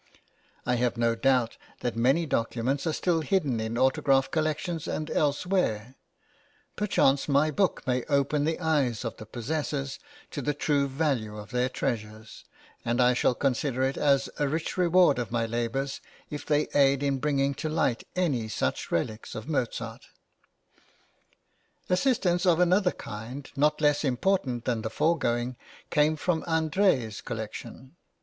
I have no doubt that many {INTRODUCTION.} (xvii) documents are still hidden in autograph collections and elsewhere; perchance my book may open the eyes of the possessors to the true value of their treasures, and I shall consider it as a rich reward of my labours if they aid in bringing to light any such relics of Mozart. Assistance of another kind, not less important than the foregoing, came from André's collection.